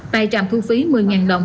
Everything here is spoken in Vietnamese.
tài trạm thu phí một mươi đồng